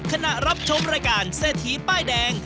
หรือขณะรับชมรายการเซทีป้ายแดง